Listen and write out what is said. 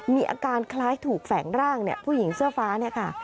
มีอาการคล้ายถูกแฝงร่างเนี่ยผู้หญิงเสื้อฟ้าเนี่ยค่ะ